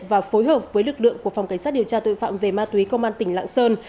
và phối hợp với lực lượng của phòng cảnh sát điều tra tội phạm về ma túy công an tỉnh lạng sơn